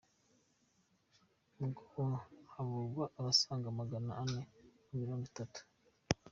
bwo havurwa abasaga magana ane na mirongo itatu